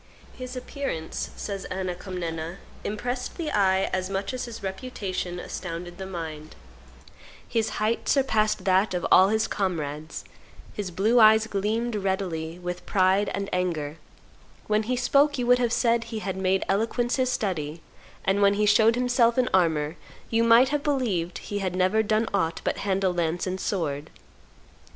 "His appearance," says Anna Comnena, "impressed the eye as much as his reputation astounded the mind; his height surpassed that of all his comrades; his blue eyes gleamed readily with pride and anger; when he spoke you would have said he had made eloquence his study; and when he showed himself in armor, you might have believed that he had never done aught but handle lance and sword.